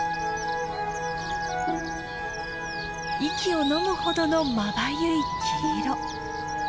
息をのむほどのまばゆい黄色。